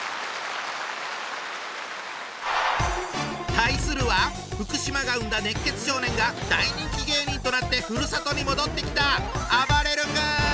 対するは福島が生んだ熱血少年が大人気芸人となってふるさとに戻ってきた！